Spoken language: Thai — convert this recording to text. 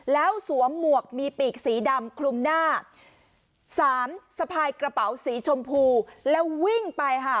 แล้วสวมหมวกมีปีกสีดำคลุมหน้าสามสะพายกระเป๋าสีชมพูแล้ววิ่งไปค่ะ